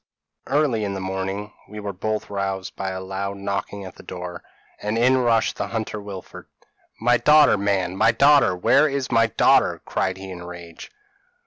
p> "Early in the morning we were both roused by a loud knocking at the door, and in rushed the hunter Wilfred. "'My daughter man my daughter! where is my daughter?' cried he in a rage.